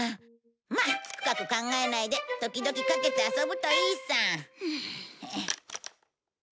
まあ深く考えないで時々かけて遊ぶといいさ。